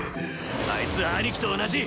あいつは兄貴と同じ！